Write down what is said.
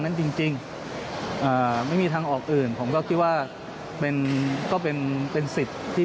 นั้นจริงจริงอ่าไม่มีทางออกอื่นผมก็คิดว่าเป็นก็เป็นสิทธิ์ที่